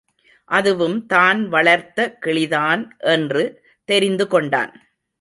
அதுவும் தான் வளர்த்த கிளிதான் என்று தெரிந்து கொண்டான்.